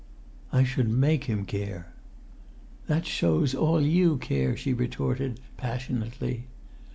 "I should make him care." "That shows all you care!" she retorted, passionately.